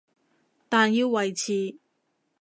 但要維持